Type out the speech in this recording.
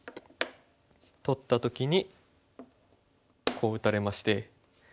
取った時にこう打たれまして。